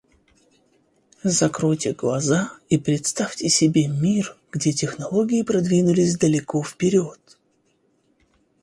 Закройте глаза и представьте себе мир, где технологии продвинулись далеко вперед.